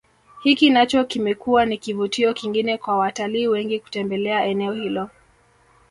Hiki nacho kimekuwa ni kivutio kingine kwa watalii wengi kutembelea eneo hilo